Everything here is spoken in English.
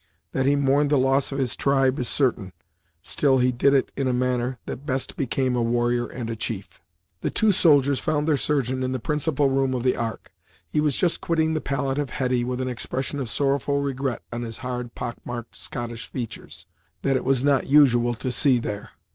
That he mourned the loss of his tribe is certain; still he did it in a manner that best became a warrior and a chief. The two soldiers found their surgeon in the principal room of the Ark. He was just quitting the pallet of Hetty, with an expression of sorrowful regret on his hard, pock marked Scottish features, that it was not usual to see there.